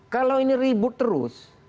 kalau ini ribut terus